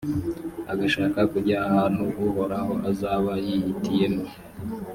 agashaka kujya ahantu uhoraho azaba yihitiyemo,